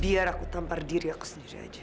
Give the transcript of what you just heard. biar aku tampar diri aku sendiri aja